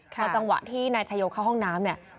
พอจังหวะที่นายชายโยเข้าห้องน้ำเนี่ย